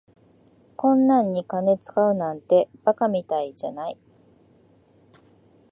こんなんに金使うなんて馬鹿みたいじゃない。